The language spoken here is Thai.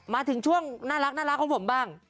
มาถึงช่วงน่ารักของผมบ้าง